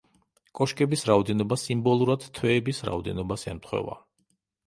კოშკების რაოდენობა სიმბოლურად თვეების რაოდენობას ემთხვევა.